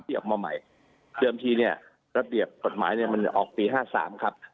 ออกมาใหม่เดิมทีเนี่ยระเบียบกฎหมายเนี่ยมันออกปี๕๓ครับ